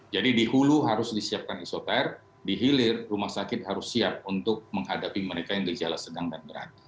jadi di hulu harus disiapkan esoter di hilir rumah sakit harus siap untuk menghadapi mereka yang dijala sedang dan berat